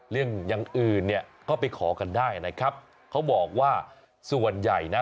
อย่างอื่นเนี่ยก็ไปขอกันได้นะครับเขาบอกว่าส่วนใหญ่นะ